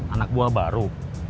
anak buah baru